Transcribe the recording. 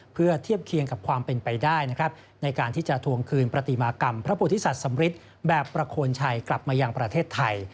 เพื่อเทียบเคียงกับความเป็นไปได้นะครับในการที่จะทวงคืนปฏิมากรรมพระพุทธศัตวสำริทแบบประโคนชัยกลับมายังประเทศไทย